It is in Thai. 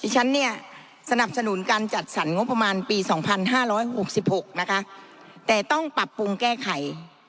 ฉันเนี่ยสนับสนุนการจัดสรรงบประมาณปี๒๕๖๖นะคะแต่ต้องปรับปรุงแก้ไข